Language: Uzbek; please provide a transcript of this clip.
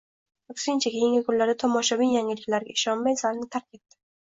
Aksincha, keyingi kunlarda Tomoshabin yangiliklarga ishonmay, zalni tark etdi